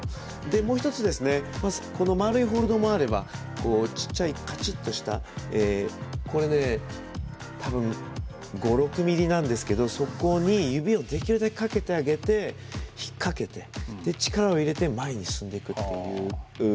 もう１つ、丸いホールドもあれば小さいカチッとした多分、５６ｍｍなんですけどそこに指をできるだけかけてあげて引っ掛けて力を入れて前に進んでいく。